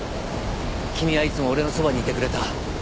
君はいつも俺のそばにいてくれた。